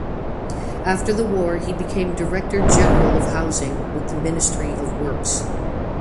After the War he became Director General of Housing with the Ministry of Works.